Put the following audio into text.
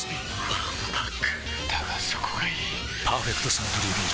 わんぱくだがそこがいい「パーフェクトサントリービール糖質ゼロ」